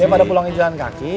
dia pada pulang hijauan kaki